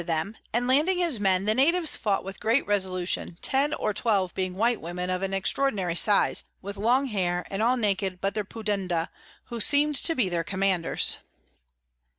_] them, and landing his Men, the Natives fought with great Resolution, ten or twelve being white Women of an extraordinary Size, with long Hair and all naked but their Pudenda, who seem'd to be their Commanders.